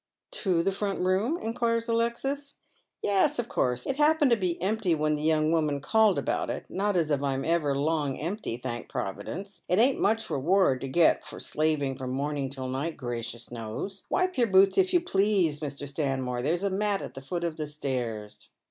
" To tlie front room ?" inquires Alexis. "Yes, of course. It happened to be empty when the young .Wiliiman called about it — not as I'm ever long empty, thank Provi dence. It ain't much reward to get for slaving from morning till night, gracious knows. Wipe your boots, if you please, Mr. Sbmniore. There's a mat at the foot of the stairs."